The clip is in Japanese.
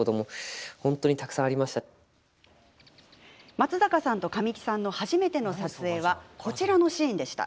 松坂さんと神木さんの初めての撮影はこちらのシーンでした。